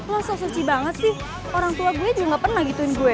lo sosok banget sih orang tua gue juga gak pernah gituin gue